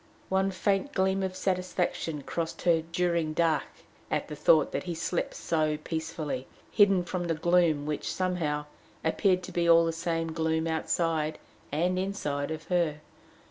One faint gleam of satisfaction crossed her "during dark" at the thought that he slept so peacefully, hidden from the gloom which, somehow, appeared to be all the same gloom outside and inside of her.